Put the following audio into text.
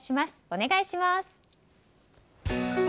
お願いします。